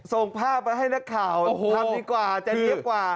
ส่งภาพมาให้นักข่าวทำดีกว่าจะเจี๊ยบกว่า